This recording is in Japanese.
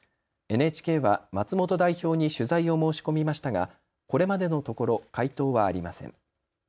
ＮＨＫは松本代表に取材を申し込みましたがこれまでのところ回答はありません。